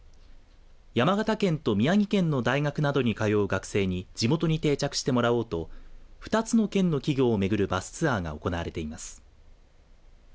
山形県と宮城県の大学などに通う学生に地元に定着してもらおうと２つの県の企業を巡るバスツアーが行われています。